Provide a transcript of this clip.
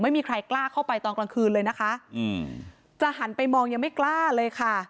ไม่มีใครกล้าเข้าไปตอนกลางคืนเลยนะคะอืมจะหันไปมองยังไม่กล้าเลยค่ะ